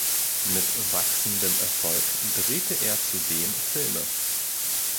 Mit wachsendem Erfolg drehte er zudem Filme.